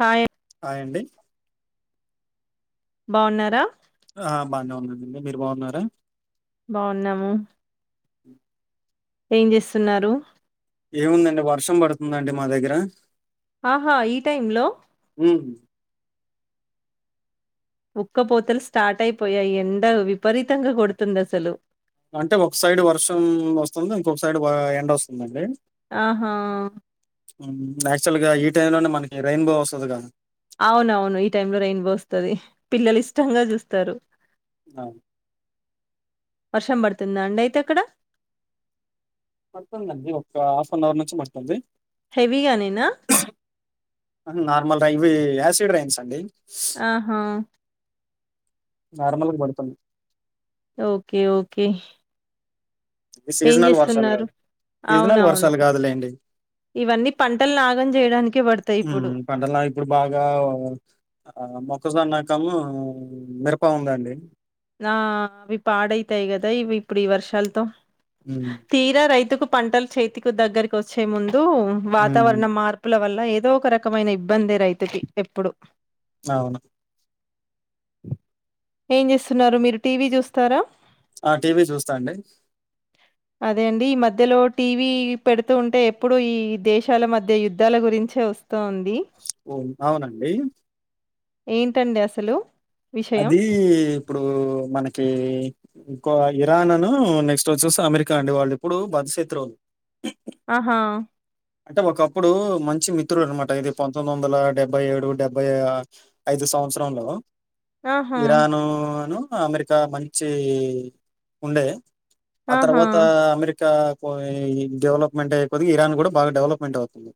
Hi hi అండి బాగున్నారా ఆ బానే ఉన్నానుఅండి మీరు బాగున్నార బావున్నాము హ ఏం చేస్తున్నారు ఏముందండి వర్షం పడుతుందండి మా దగ్గర ఆహా ఈ టైమ్ లో మ్ ఉక్కపోతలు స్టార్ట్ అయిపోయాయి, ఎండ విపరీతంగా కొడుతుంది అసలు అంటే ఒక సైడ్ వర్షం వస్తుంది ఇంకొక సైడ్ ఎండ వస్తుందండి ఆహా యాక్చువల్ గా ఈ టైమ్ లోనే మనకి రెయిన్బో వస్తుంది గా అవునవును ఈ టైం లో రైన్ బో వస్తుంది పిల్లలు ఇష్టంగా చూస్తారు అ వర్షం పడుతుందా అండి అయితే ఎక్కడ పడుతుందండి ఒక హాఫ్ అన్ అవర్ నుంచి మతుంది హెవీగానేనా నార్మల్ రై ఇవి యాసిడ్ రైన్స్ అండి ఆహా నార్మల్గా పడుతుంది ఓకే ఓకే ఏం సీజనల్ వర్షాలు చేస్తున్నారు కాదు సీజనల్ అవునవును వర్షాలు కాదులేండి ఇవన్నీ పంటలు నాగం చేయడానికే పడతాయి ఇప్పుడు మ్ పంటలా ఇప్పుడు బాగా మొ ఒకసా నాకము మిరప ఉందండి నా అవి పాడైతాయి కదా ఇవి ఇప్పుడు ఈ వర్షాలతో హ్మ్. తీరా రైతుకు పంటలు చేతికు దగ్గరకి వచ్చే ముందు హ్మ్. వాతావరణ మార్పుల వల్ల అలా ఏదో ఒక రకమైన ఇబ్బందే రైతుకి ఎప్పుడు అవును ఏంజెస్తున్ మీరు టీవీ చూస్తారా ఆ! టీవీ చూస్తా అండి. అదే అండి ఈ మధ్యలో టీవీ పెడుతూ ఉంటే ఎప్పుడు ఈ దేశాల మధ్య యుద్ధాల గురించే వస్తూంది ఓ అవునండి ఏంటండి అసలు విషయం అది ఇప్పుడు మనకి ఇంకో ఇరాన్ అను నెక్స్ట్ వచ్చేసి అమెరికా అండి వాళ్ళు ఎప్పుడు బద్దశత్రువులు ఆహా అంటే ఒకప్పుడు మంచి మిత్రుడు అనమాట ఏది పంతొమ్మిది వందల డెబ్బై ఏడు డెబ్బై ఐదు సంవత్సరంలో ఆహా ఇరాను అను అమెరికా మంచి ఉండే ఆ ఆహా తర్వాత అమెరికా పోయే ఈ డెవోలోప్మెంట్ ఐయేకొద్ది ఇరాన్ కూడా బాగా డెవలప్మెంట్ అవుతుంది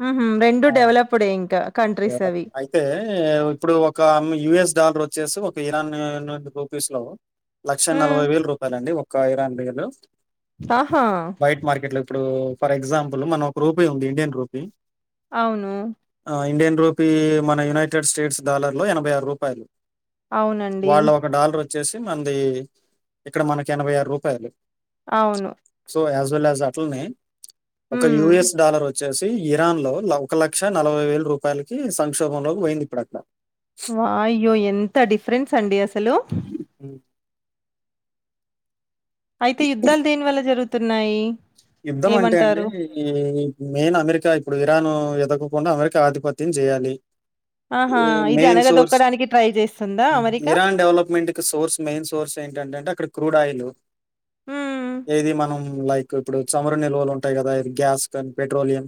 హు హు రెండు ఆ! దేవాలప్డ్ ఇంకా కంట్రీస్ డెవలప్. అవి అయితే ఇప్పుడు ఒక అమ్ యుఎస్ డాలర్ వచ్చేసి ఒక ఇరాన్ రూపీస్ లో లక్ష ఉమ్, నలభై వేల రూపాయల అండి ఒక్ [unintelligible] ఆహా ఇప్పుడు ఫర్ ఎగ్జాంపుల్ మనం ఒక రూపీ ఉంది ఇండియన్ రూపీ అవును ఆ, ఇండియన్ రూపీ మన యునైటెడ్ స్టేట్స్ డాలర్ లో ఎనభై ఆరు రూ పయాలు అవునండి వచ్చేసి మంది ఇక్కడ మనకి ఎనభై ఆరు రూపాయలు అవును సో యాస్ అట్లనే ఒక ఉమ్, యుఎస్ డాలర్ వచ్చి వచ్చేసి ఇరాన్ లో ఒక లక్ష నలభై వేల రూపాయలకి సంక్షోభంలోకి పోయింది ఇప్పుడు అక్కడ వాయ్ అయ్యో ఎంత డిఫరెన్స్ అండి అసలు అయితే యుద్ధాలు దేనివల్ల జరుగుతయ్ తున్నాయి యుద్ధం అంటే అండి ఈ మెయిన్ అమెరికా ఇప్పుడు ఇరాన్ ఎదో [unintelligible] కుండా అమెరికా ఆధిపత్యం చేయాలి ఆహా! ఈ ఇది మెయిన్ సోర్స్ అణగదొక్కడానికి ట్రై చేస్తుందా అమెరికా? ఇరాన్ డెవలప్మెంట్ కి సోర్స్ మెయిన్ సోర్స్ ఏంటంటంటే అక్కడ క్రూడ్ ఆయిలు హ్మ్. ఏది మనం లైక్ ఇప్పుడు చమరు నిల్వలు ఉంటాయి కదా గ్యాస్ కానీ పెట్రోలియం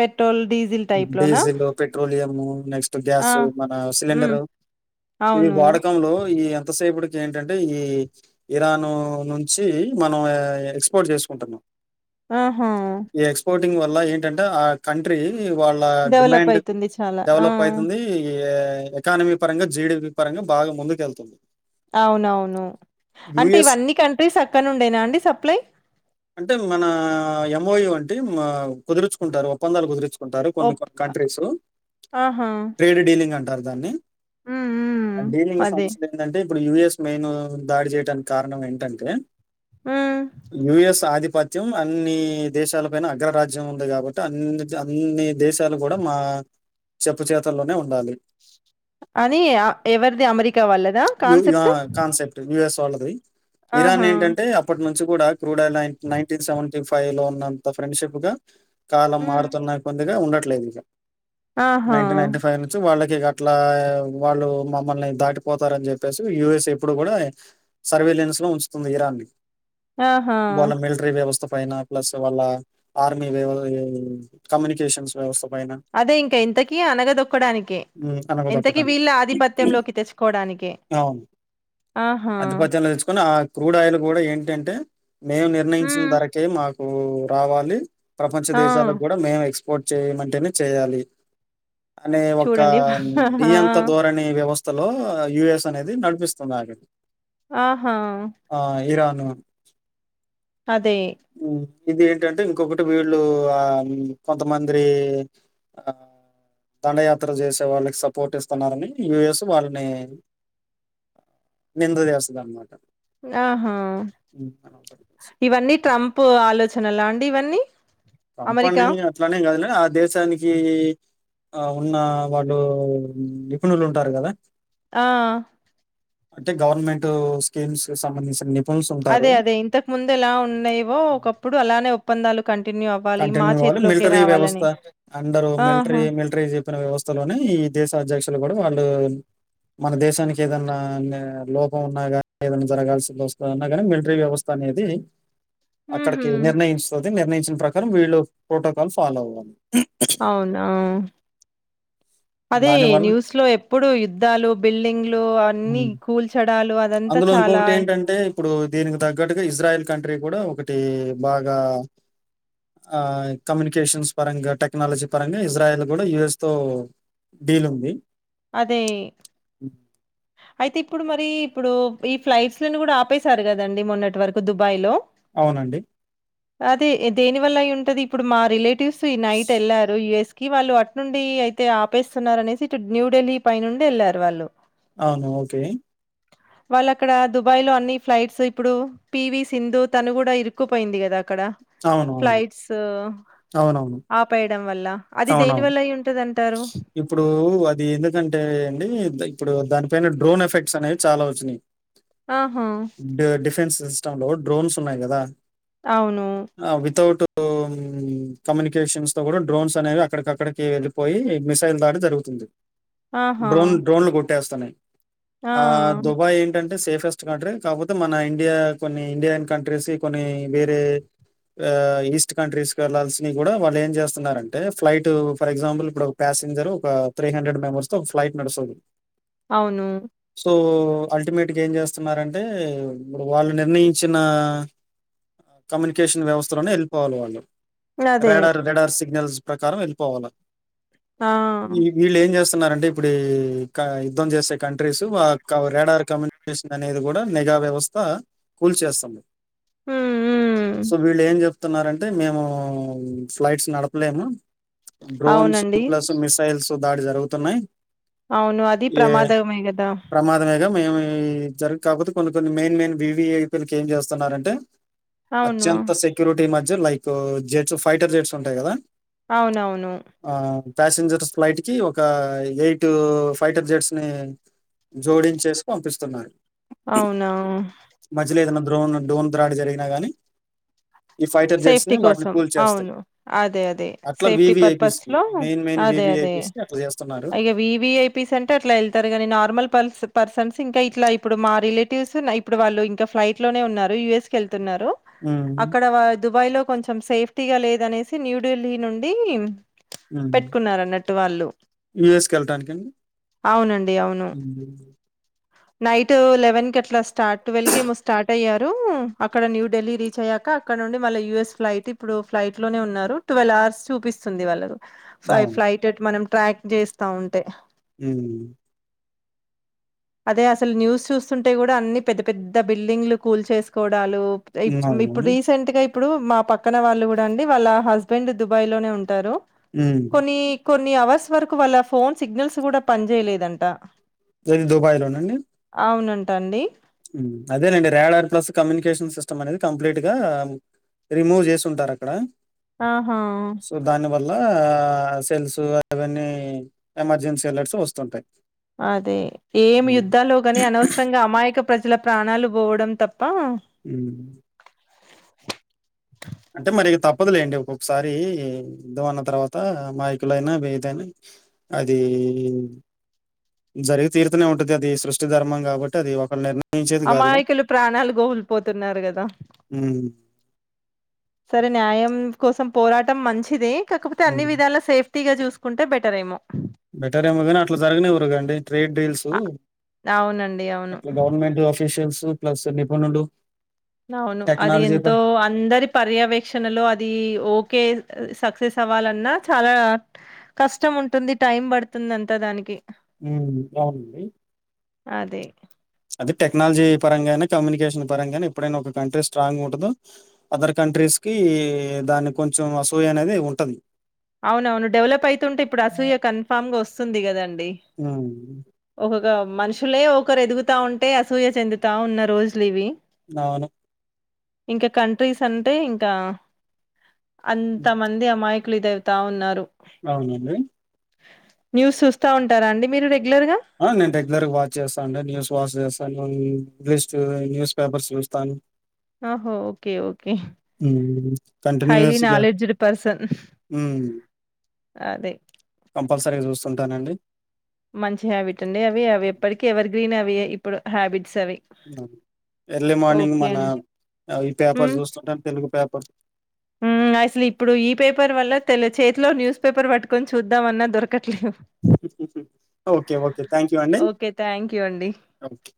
పెట్రోల్, డీజిల్ టైప్‌లోనా? డీజిల్, పెట్రోలియం నెక్స్ట్ ఆ! గ్యాస్ మన హ్మ్. సిలిండరు ఇవి అవును. వాడకంలో ఈ ఎంతసేపటికి ఏంటంటే ఈ ఇరాన్ నుంచి మనం ఎక్స్పోర్ట్ చేసుకు ఉంటున్న ఆహా ంగ్ వల్ల ఏంటంటే ఆ కంట్రీ వాళ్ళ డెవలప్ డిమాండ్ అయితుంది చాలా. ఆ! డెవలప్ అయితుంది ఎకానమీ పరంగా జి డి పి పరంగా బాగా ముందుకెళ్తుంది అవునవును అంటే యూఎస్ ఇవన్నీ కంట్రీస్ అక్కడినుండేన అండి సప్లై అంటే మన ఎం ఓ యు అంటి కుదుర్చుకుంటారు ఒప్పందాలు కుదిర్చు ంటారు కొన్ని ఓప్ కంట్రీస్ ఆహా! ట్రేడ్ డీలింగ్ అంటారు దాన్ని హ్మ్. హ్మ్. అంటే అదే. సమస్యలు ఏంటంటే ఇప్పుడు యు ఎస్ మెయిన్ దాడి చేయడానికి కారణం ఏంటంటే మ్మ్ యు ఎస్ ఆధిపత్యం అన్ని దేశాలపైన అగ్రరాజ్యం ఉంది కాబట్టి అన్ని అన్ని దేశాలు కూడా మా చెప్పు చేతల్లోనే ఉండాలి అని ఎవరిది అమెరికా వాళ్ళదా యు- యు- ఆ, కాన్సెప్ట్ కాన్సెప్ట్ యూఎస్ వాళ్ళది ఇరాన్ ఆహా! ఏంటంటే అప్పటి నుంచి కూడా క్రూడాయిల్ నైన్టీన్ సెవన్ ఫైవ్ లో ఉన్నంత ఫ్రెండ్షిప్ గా కాలం హ్మ్. మారుతున్నా కొద్దిగా ఉండ లేదింకా నైన్టీన్ ఆహా! నైన్టీ ఫైవ్ నుంచి వాళ్ళకి ఇగట్లా వాళ్ళు మమ్మల్ని దాటిపోతారని చెప్పేసి యు ఎస్ ఎ ఎప్పుడు కూడా సర్వేలెన్స్ లో ఉంచుతుంది ఇరాన్ ఆహా! వాళ్ళ మిలిటరీ వ్యవస్థ పైన ప్లస్ వాళ్ళ ఆర్మీ వ్య కమ్యూనికేషన్స్ వ్యవస్ అదే ఇంక ఎంతకి అనగదొక్కడానినికి ఉమ్, ఎంతకి అనగదొక్కటానికి వీళ్ళ ఆధిపత్యంలోకి తెచ్చుకోడానికి అవును టెంటే మేము నిర్ణయించిన ధరకే మాకు మ్మ్ రావాలి ప్రపంచ ఆ! దేశాలకు కూడా మేమెక్స్ సపోర్ట్ చేయమంటేనే చేయాలి అనే ఒక చూడండి. ఆ! నియంత ధోరణి వ్యవస్థలో యుఎస్ అనేది నడిపిస్తున్నాది ఆహా అ అదే ఇది ఏంటంటే ఇంకొకటి వీళ్ళు ఆ కొంతమంద్రి ఆ దండయాత్ర చేసే వాళ్ళకి సపోర్ట్ ఇస్తున్నారని యు ఎస్ వాళ్ళని నింద చేస్తుంది అనమాట ఆహా ఇవన్నీ ట్రంప్ ఆలోచనలా అండి ఇవన్నీ పంపండి అమెరికా? అట్లనే కాదులె ఆ దేశానికి ఆ ఉన్న వాళ్ళు నిపుణులు ఉంటారు కదా ఆ అంటే గవర్నమెంట్ స్కీమ్స్ సంబంధించిన నిప్ అదే అదే ఇంతకు ముందు ఎలా ఉన్నయివో ఒకప్పుడు అలానె పందాలు కంటిన్యూ కావాలి మిలిటరీ వ్యవస్థ అందరు మిలిటరీ ఆహా! మిలిటరీ చెప్పిన వ్యవస్థలోనే ఈ దేశ అధ్యక్షు తులు కూడ వాళ్ళు మన దేశానికి ఏదన్న లోపం ఉన్నా కానీ ఏదనా జరగాల్సి వస్తుంది అన్నా కాని మిలిటరీ వ్యవస్థ అనేది హుహు. అక్కడకి నిర్ణయింసో తే నిర్ణయించన ప్రక్ కారం వీళ్లు ప్రోటోకాల్ ఫాలో అవ్వాలి అవునా అదే దానివల్ల న్యూస్ లో ఎప్పుడు యుద్ధాలు బిల్డింగ్లు అన్ని ఉమ్. కూల్చడ అందులో ఇంకొకటి ఏంటంటే ఇప్పుడు దీనికి తగ్గట్టుగా ఇజ్రాయల్ కంట్రీ కూడా ఒకటి బాగా ఆ కమ్యూనికేషన్స్ పరంగా టెక్నాలజీ పరంగా ఇజ్రాయల్ కూడా యుఎస్ తో డీల్ ఉంది అదే హ్మ్. అయితే ఇప్పుడు మర్ రి ఇప్పుడు ఈ ఫ్లైట్స్లని కూడా ఆపేశారు కదండి మొన్నటి వరకు దుబాయ్ లో అవునండి అదే దేని వల్ల అయి ఉంటది ఇప్పుడు మా రిలే టిఫ్ ఈ నైట్ ఏళ్లారు యుఎస్ కి వాళ్ళు అట్నుండి అయితే ఆపేస్సున్నారనేసి ఇట్ న్యూ ఢిల్లీ పైనుండి ఎళ్ళారు వాళ్ళు అవును ఓకే. వాళ్ళక్కడ దుబాయ్ లో అన్ని ఫ్లైట్స్ ఇప్పుడు పివి సింధు తను కూడా ఇరుక్కుపోయింది కదా. క్కడ అవునవును. ఫ్లైట్స్ అవునవును. ఆపేయడం వల్ల అది దేని అవునవును. వల్ల అయింటదన్ ఇప్పుడు అ ది ఎందుకంటే అండి ద ఇప్పుడు దానిపైన డ్రోన్ ఎఫెక్ట్స్ అనేవి చాలా వచ్చినయ్. ఆహా డిఫెన్స్ సిస్టమ్ లో డ్రోన్స్ ఉన్నాయి కదా. అవును. ఓం, కమ్యూనికేషన్స్ తో కూడా డ్రోన్స్ అనేవి అక్కడికక్కడికి ఎళ్ళి పోయి మిసైల్ దాడి జరువుతుంది. ఆహా! డోన్ డ్రోన్ కొ ట్టేస్సనయ్. ఆ దుబాయ్ ఏంటన్ టే సేపెస్ట్ కంటిరి కాపోతే మన ఇండియ కొన్ని ఇండియన్ కంట్రీస్ యి కొన్ని వేరే, ఆ ఈస్ట్ కంట్రీస్ కెల్లల్ స్సినయ్ గుడా వాళ్ళు ఏం జేస్సన్నారంటే ఫ్లైట్ ఫర్ ఎగ్జాంపుల్ ఇప్పుడు ఒక ప్యాసింజర్ ఒక త్రీ హండ్రెడ్ మెంబర్స్ తో ఒ ఫ్లైట్ నడుస్సది. అవును. ఉ అల్టిమేట్ గా ఏం జేస్తన్నారంటే ఇప్పుడు వాళ్ళు నిర్ణయించిన, కమ్యూనికేషన్ వ్యవస్థలోనే ఎళ్ళిపోవాలి వాళ్ళు అదే. రెడర్ రెడార్ సిగ్నల్స్ ప్రకారం ఎళ్ళిపోవాల. ఆ! ఈ వీళ్ళేం జేస్ తున్నారంటే ఇప్పుడే క యుద్ధం జేసే కంట్రీస్ ఆ క్క రేడార్ కమ్యూ కేషన్ అనేది గుడా నెగ వ్యవస్థ కూల్ చేస్సంది. హ్మ్. సో హ్మ్. వీళ్ళు ఏం జెప్తున్నారంటే మేము ఫ్లైట్స్ నడపలేము. డ్రోన్ స్ అవునండి. ప్లస్ మిసైల్స్ తొ దాడి జరవుతున్నయ్. అవును అది ప్రమాదమే కదా. మేమే జర్రి కాకపోతే కొన్ని కొన్ని మెయిన్ మెయిన్ వివిఎపిల్ కేం జేస్సన్నారంటే అవును. అత్యంత సెక్యూరిటీ మ జ్జ్ లైకు జెట్స్ ఫైటర్ జెట్స్ ఉంటాయి కదా. అవునవును. ఆ ప్యాసింజర్ ఫ్లైట్ కి ఒక ఎయిట్ ఫైటర్ జెట్స్ ని జోడి చేసి పంపిస్తున్నారు. అవునా! మధ్య లో ఏదన్న డ్రోన్ డోన్ ముద్రాడి జరిగినా గాని సేఫ్టీ కోసం అవును అదే అదే అట్లా సేఫ్టీ వివిఐపీస్ పర్పస్ కి లో మెయిన్ మెయిన్ అదే అదే వివిఐపీస్ కి అట్లా చేస్తున్నారు ఇక V V I P centre అట్ల వెళ్తరు గానీ నార్మల్ పల్ పర్సన్స్ ఇం ఇంకా ఇట్లా ఇప్పుడు మా రిలేటివ్స్ ఇప్పుడు వాళ్ళు ఇంకా ఫ్లైట్ లోనే ఉన్నారు యుఎస్ కెళ్ తే న్నారు హ్మ్. అక్కడా దుబాయ్లో కొంచెం సేఫ్టీగా లేదనేసి న్యూఢిల్లీ నుండీ దు హ్మ్. పెట్టుకున్నారన్నట్టు వాళ్ళు యూఎస్‌కెళ్ళటానికండి? అవునండి అవును హ్మ్. నైట్ లెవెన్ కి అట్లా స్టార్ట్ ట్వెల్వ్ కి ఏమో స్టార్ట్ అయ్యారు అక్కడ న్యూ ఢిల్లీ రీచ్ అయ్యాక అక్కడ నుండి వాళ్ళ యూఎస్ ఫ్లైట్ ఇప్పుడు ఫ్లైట్ లోనే ఉన్నారు ట్వెల్వ్ అవర్స్ చూపిస్తుంది వాళ్ళరు ఫై అవును. ఫ్లైట్ అట్టు మనం ట్రాక్ చేస్తా ఉంటే హ్మ్ అదే అసలు న్యూస్ చూస్తుంటే కూడా అన్ని పెద్ద పెద్ద బిల్డింగ్లు కూల్ చేసుకోడాలు హ్మ్. [unintelligible] ఇప్పుడు అవునండి. రీసెంట్ గా ఇప్పుడూ మా పక్కన వాళ్ళు కూడా అండి వాళ్ళ హస్బెండ్ దుబాయ్ లోనే ఉంటారు. హ్మ్ కొన్ని కొన్ని అవర్స్ వరకు వాళ్ళ ఫోన్ సిగ్నల్స్ కూడా పనిచేయలేదంట. ఏది దుబాయ్ లోనండి టండి అదేనండి రాడర్ ప్లస్ కమ్యూనికేషన్ సిస్టమ్ అనేది కంప్లీట్ గా రిమూవ్ చేసి ఉంటారక్కడ ఆహా అట్లా సెల్స్ అవన్నీ ఎమర్జెన్సీ అలట్స్ వస్తుంటై అదే ఏమి యుద్ధాలో గాని అనవసరంగా అమాయక ప్రజల ప్రాణాలు పోవడం తప్ మ్మ్ అంటే మరి తప్పదులేండి ఒక్కొక్కసారి యుద్దమన్న తర్వాత అమాయకులయినా ఏదయినా అది జరిగి తీరుతూనే ఉంటది అది సృష్టి ధర్మం కాబట్టి అది ఒకరి నిర్ణ అమాయకులు ప్రాణాలు గోల్పోతున్నరు గదా హ్మ్. సరే న్యాయం కోసం పోరాటం మంచిదీ కాకపోతే అన్ని హ్మ్. విధాల సేఫ్ వట్టిగ చూసుకుంటె బెటర్ ఏమో బెటర్ ఏమో కానీ అట్ల జరగనివ్వరు గాండి ట్రేడ్ డీల్స్ అ అవునండి అవును అట్లా గవర్నమెంటు ఆఫ్ అఫీషియల్స్ ప్లస్ నిపుణులు అవును అది టెక్నాలజీ ప ఎంతో అందరి పర్యవేక్షణలో అదీ ఓకే సక్ వే సవాలన్నా చాలా కష్టం ఉంటుంది టైం పడుతుంది అంత దానికి హ్మ్ అవునండి అదే అది టెక్నాల్జీ పరంగైనా కమ్యూనికేషన్ పరంగైనా, ఎప్పుడైనా ఒక కంట్రీ స్ట్రాంగ్ ఉంటుదో అదర్ కంట్రీస్కీ దాన్ని కొంచెం అసూయ అనేది ఉంటది. అవును అవును డెవలప్ అయితుంటే ఇప్పుడు అసూయ కన్ఫామ్ గా వస్సుంది కదం డి హ్మ్. ఒహగా మనుషులే ఒకరు ఎదుగుతా ఉంటే అసూయ చెందుతా ఉన్న రోజులివి అవును ఇంక కంట్రీస్ అంటే ఇంకా అంత హ్మ్. మంది అమ్మాయ్ [unintelligible] తా ఉన్నారు అవునండి న్యూస్ సుస్తా ఉంటారా అండి మీరు రెగ్యులర్ గ ఆ నేను రెగ్యులర్గా వాచ్ చేస్తాండి న్యూస్ వాచ్ చేస్తాను [unintelligible] న్యూస్ పేపర్స్ చూస్తాను. ఆహో ఓకే ఓకే హ్మ్. హైలీ కంటిన్యూయస్‌గా నాలెడ్జ్ డ్ పర్సన్ హ్మ్. అదే, కంపల్సరిగ జూస్సుంటానండి మంచి హ్యాబిట్ అండి అవి అవెప్పడికి ఎవర్ గ్రీనెవ్ వే ఇప్పుడు హ్యాబిట్ ఎర్లీ మార్నింగ్ ఓకే మన అండి. అ ఈ పేపర్ చూస్తుంటాం తెలుగు పేపర్ మ్మ్ అసలు ఇప్పుడు ఈ పేపర్ వల్ల తెల్ చేతిలో న్యూస్ పేపర్ పట్టుకొని చూద్దాంమన్నా దొర ఓకే ఓకే థ్యాంక్ యూ అండి ఓకే. థ్యాంక్ యూ అండి. ఓకె.